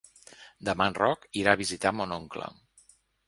Demà en Roc irà a visitar mon oncle.